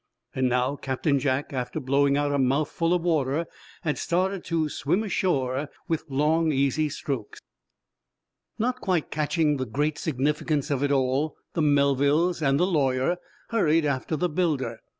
And now, Captain Jack, after blowing out a mouthful of water, had started to swim ashore with long, easy strokes. Not quite catching the great significance of it all, the Melvilles and the lawyer hurried after the builder.